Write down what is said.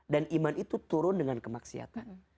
dan iman itu turun dengan kemaksiatan